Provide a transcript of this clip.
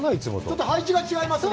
ちょっと配置が違いますね。